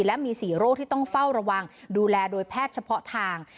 และมี๔โรคที่ต้องเฝ้าระวังดูแลโดยแพทย์เฉพาะทาง